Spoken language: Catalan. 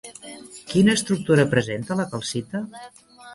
Quina estructura presenta la calcita?